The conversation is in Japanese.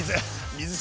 水？